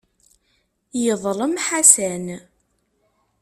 Yeḍlem Ḥasan.